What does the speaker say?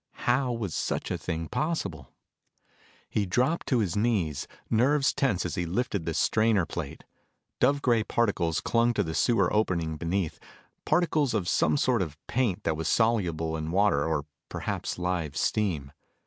How was such a thing possible? He dropped to his knees, nerves tense as he lifted the strainer plate. Dove gray particles clung to the sewer opening beneath particles of some sort of paint that was soluble in water or perhaps live steam.